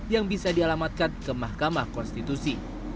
yang bisa dialamatkan ke mahkamah konstitusi